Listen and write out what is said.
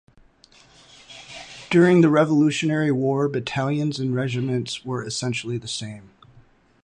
During the Revolutionary War, battalions and regiments were essentially the same.